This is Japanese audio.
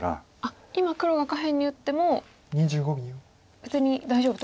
今黒が下辺に打っても別に大丈夫と。